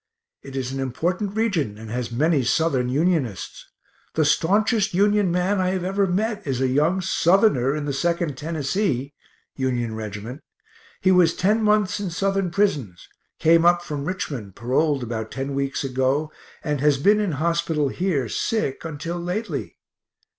It is an important region, and has many Southern Unionists. The staunchest Union man I have ever met is a young Southerner in the 2nd Tennessee (Union reg't) he was ten months in Southern prisons; came up from Richmond paroled about ten weeks ago, and has been in hospital here sick until lately.